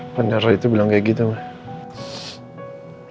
bandara itu bilang kayak gitu mah